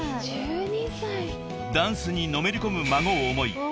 ［ダンスにのめり込む孫を思い］へえ！